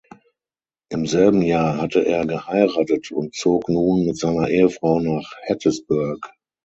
Im selben Jahr hatte er geheiratet und zog nun mit seiner Frau nach Hattiesburg.